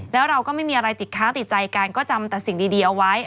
แล้วเราก็ไม่มีอะไรติดค้างติดใจกันก็จำแต่สิ่งดีเอาไว้